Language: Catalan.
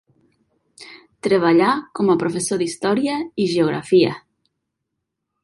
Treballà com a professor d'història i geografia.